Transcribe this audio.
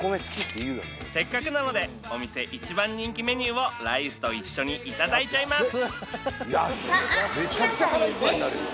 せっかくなのでお店一番人気メニューをライスと一緒にいただいちゃいます！